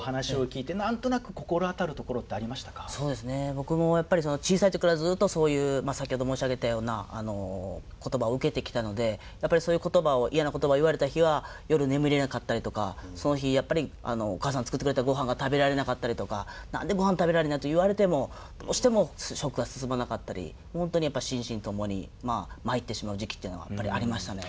僕もやっぱりその小さい時からずっとそういう先ほど申し上げたような言葉を受けてきたのでやっぱりそういう言葉を嫌な言葉を言われた日は夜眠れなかったりとかその日やっぱりお母さんが作ってくれたごはんが食べられなかったりとか「何でごはん食べられないの？」って言われてもどうしても食が進まなかったり本当に心身ともにまいってしまう時期っていうのはありましたね。